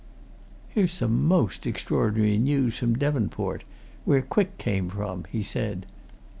"Here's some most extraordinary news from Devonport where Quick came from," he said.